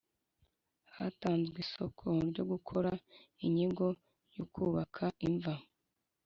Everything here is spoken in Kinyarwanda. Hatanzwe isoko ryo gukora inyigo yo kubaka imva